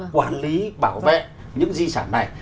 quản lý bảo vệ những di sản này